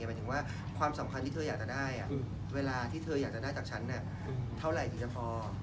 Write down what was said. หมายถึงว่าความสำคัญที่เธออยากจะได้เวลาที่เธออยากจะได้จากฉันเท่าไหร่ถึงจะพอ